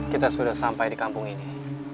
kita sudah sampai di kampung ini